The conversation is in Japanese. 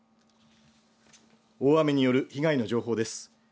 大雨による被害の情報です。